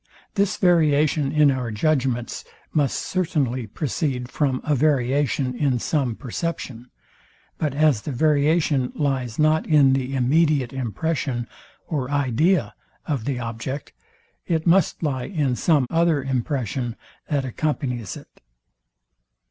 This variation in our judgments must certainly proceed from a variation in some perception; but as the variation lies not in the immediate impression or idea of the object, it must lie in some other impression, that accompanies it.